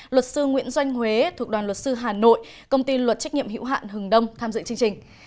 luật sư nguyễn doanh huế thuộc đoàn luật sư hà nội công ty luật trách nhiệm hữu hạn hừng đông tham dự chương trình